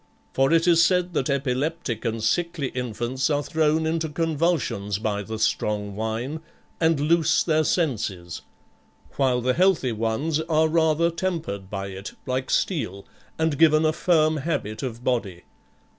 For it is said that epileptic and sickly infants are thrown into convulsions by the strong wine and loose their senses, while the healthy ones are rather tempered by it, like steel, and given a firm habit of body.